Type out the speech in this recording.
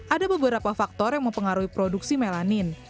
ada beberapa faktor yang mempengaruhi produksi melanin